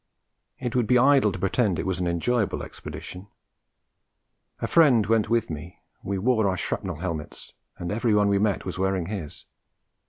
It would be idle to pretend it was an enjoyable expedition. A friend went with me; we wore our shrapnel helmets, and everybody we met was wearing his.